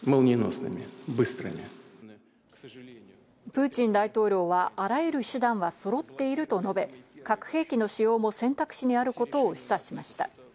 プーチン大統領は、あらゆる手段はそろっていると述べ、核兵器の使用も選択肢にあることを示唆しました。